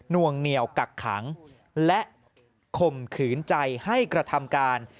วงเหนียวกักขังและข่มขืนใจให้กระทำการ